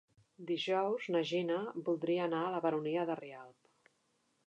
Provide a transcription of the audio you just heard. Dijous na Gina voldria anar a la Baronia de Rialb.